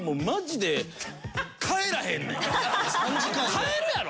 帰るやろ？